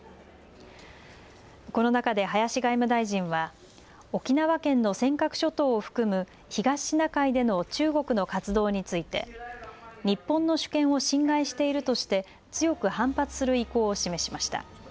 この中で林外務大臣は沖縄県の尖閣諸島を含む東シナ海での中国の活動について日本の主権を侵害しているとして強く反発する意向を示しました。